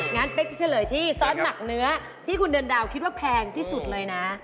งั้นเป๊กจะเฉลยที่ซอสหมักเนื้อที่คุณเดือนดาวคิดว่าแพงที่สุดเลยนะ